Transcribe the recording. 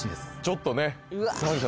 ちょっとね三者